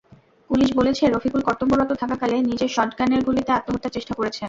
Police বলেছে, রফিকুল কর্তব্যরত থাকাকালে নিজে শটগানের গুলিতে আত্মহত্যার চেষ্টা করেছেন।